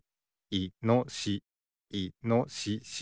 いのしし。